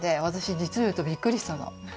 じつをいうとびっくりしたの。